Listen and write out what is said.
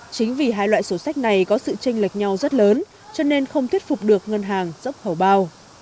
chính vì hai loại sổ sách này có sự tranh lệch nhau rất lớn cho nên không thuyết phục được ngân hàng dốc khẩu bao